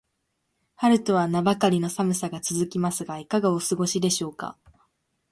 春とは名ばかりの寒さが続きますが、いかがお過ごしでしょうか。